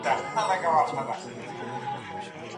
ولي کوښښ کوونکی د با استعداده کس په پرتله بریا خپلوي؟